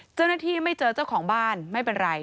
เจ้าหน้าที่ไม่เจอเจ้าของบ้านไม่เป็นไร